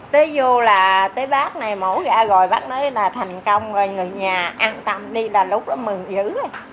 tới vô là tới bác này mổ gã rồi bác nói là thành công rồi người nhà an tâm đi là lúc đó mừng dữ rồi